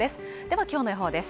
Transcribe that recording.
は今日の予報です。